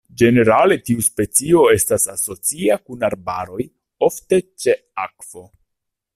Ĝenerale tiu specio estas asocia kun arbaroj, ofte ĉe akvo.